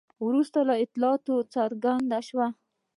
وروسته له اطلاعاتو څرګنده شوه.